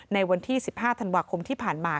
ในวันที่๑๕ธันวาคมที่ผ่านมา